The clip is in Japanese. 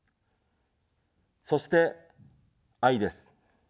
そして、愛です。